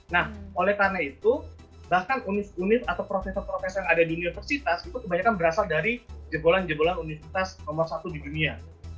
nah oleh karena itu bahkan unit unit atau profesor profesor yang ada di universitas itu kebanyakan berasal dari jebolan jebolan universitas nomor satu di dunia